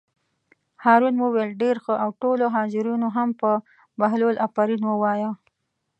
هارون وویل: ډېر ښه او ټولو حاضرینو هم په بهلول آفرین ووایه.